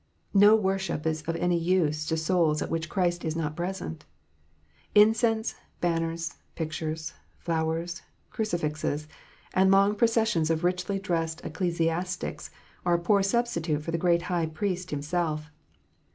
No worship is of any use to souls at which Christ is not present. Incense, banners, pictures, flowers, crucifixes, and long processions of richly dressed ecclesiastics are a poor substitute for the great High Priest Himself.